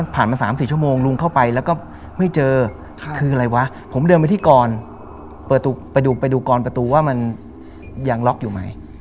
ไปดูกรประตูว่ามันยังล็อคอยู่ไหม